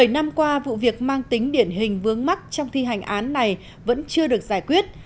bảy năm qua vụ việc mang tính điển hình vướng mắt trong thi hành án này vẫn chưa được giải quyết